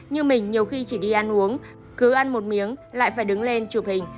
như mình nhiều khi chỉ đi ăn uống cứ ăn một miếng lại phải đứng lên chụp hình